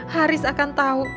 haris akan tau